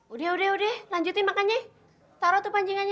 udah udah lanjutin makan yi taro tuh pancingannya